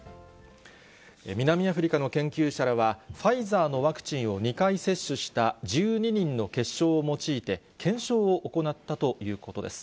南アフリカの研究者らは、ファイザーのワクチンを２回接種した１２人の血しょうを用いて検証を行ったということです。